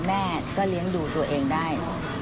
แม่ก็เลี้ยงดูตัวเองได้